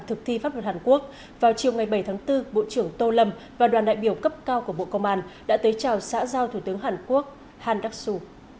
thực thi pháp luật hàn quốc vào chiều ngày bảy tháng bốn bộ trưởng tô lâm và đoàn đại biểu cấp cao của bộ công an đã tới chào xã giao thủ tướng hàn quốc handaksu